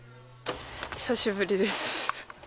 久しぶりです。